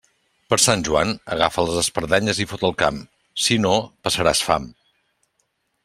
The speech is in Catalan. Per Sant Joan, agafa les espardenyes i fot el camp, si no, passaràs fam.